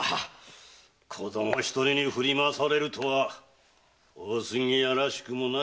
子供ひとりに振り回されるとは大杉屋らしくもないぞ。